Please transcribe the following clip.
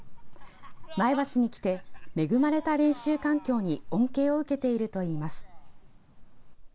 前橋に来て、恵まれた練習環境に恩恵を受けているといいます。